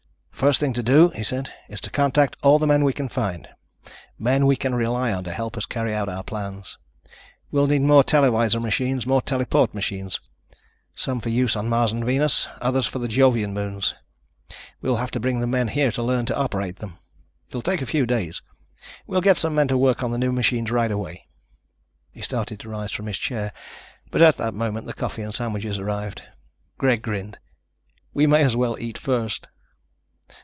"First thing to do," he said, "is to contact all the men we can find ... men we can rely on to help us carry out our plans. We'll need more televisor machines, more teleport machines, some for use on Mars and Venus, others for the Jovian moons. We will have to bring the men here to learn to operate them. It'll take a few days. We'll get some men to work on new machines right away." He started to rise from his chair, but at that moment the coffee and sandwiches arrived. Greg grinned. "We may as well eat first."